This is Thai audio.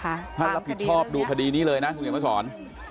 ท่านรับผิดชอบดูคดีนี้เลยนะคุณเห็นมาสอน